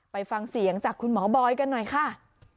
ไปฟังเสียงจากคุณหมอบอยกันหน่อยค่ะ